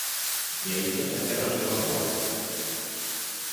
E a isto se aferra o seu avogado.